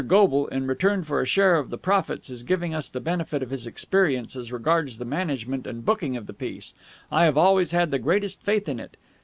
Goble, in return for a share in the profits, is giving us the benefit of his experience as regards the management and booking of the piece. I have always had the greatest faith in it.